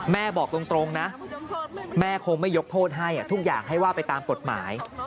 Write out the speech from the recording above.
บอกตรงนะแม่คงไม่ยกโทษให้ทุกอย่างให้ว่าไปตามกฎหมาย